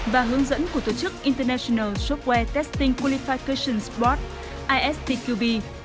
và hướng dẫn của tổ chức international software testing qualification board istqb